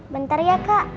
bentar ya kak